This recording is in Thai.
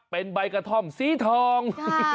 เป็นใบกระท่อมสีทอง